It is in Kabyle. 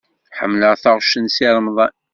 Ḥemmleɣ taɣect n Si Remḍan.